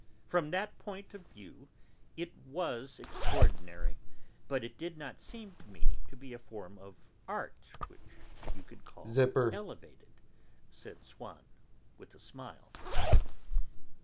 "From that point of view it was extraordinary, but it did not seem to me to be a form of art which you could call 'elevated,'" said Swann with a smile.